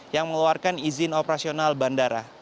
yang mengeluarkan izin operasional bandara